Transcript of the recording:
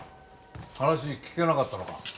話聞けなかったのか？